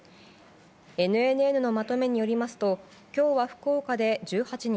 ＮＮＮのまとめによりますと今日は福岡で１８人